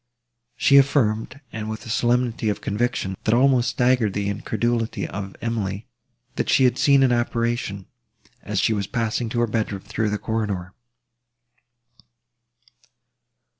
She affirmed, and with a solemnity of conviction, that almost staggered the incredulity of Emily, that she had seen an apparition, as she was passing to her bedroom, through the corridor.